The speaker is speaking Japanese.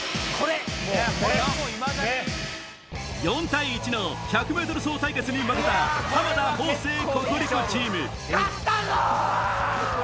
４対１の１００ｍ走対決に負けた浜田・方正・ココリコチーム勝ったぞ！